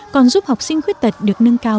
còn giúp học sinh khuyết tật được nâng cao